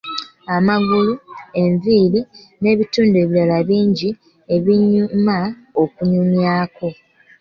Amagulu, enviiri, n'ebitundu ebirala bingi ebinyuma okunyumyako!